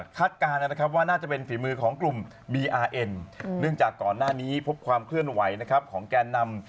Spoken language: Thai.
การนำของแก๋นนำ